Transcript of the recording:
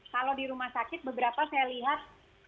kalau di rumah sakit beberapa saya lihat